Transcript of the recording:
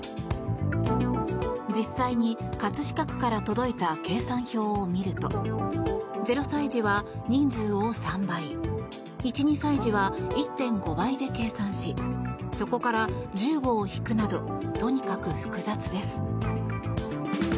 実際に葛飾区から届いた計算表を見ると０歳児は人数を３倍１２歳児は１．５倍で計算しそこから１５を引くなどとにかく複雑です。